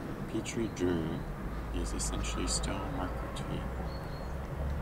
Pietre dure is essentially stone marquetry.